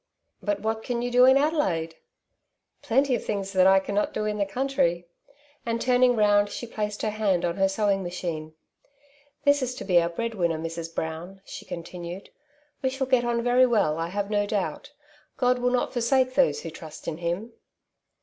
''" But what can you do in Adelaide ?''" Plenty of things that I cannot do in the country/^ And turning round she placed her hand on her sew ing machine. " This is to be our bread winner, Mrs. Brown,'' she continued. " We shall get on very well, I have no doubt. God will not forsake those who trust in Him."